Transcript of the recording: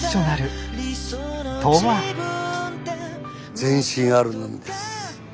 前進あるのみです。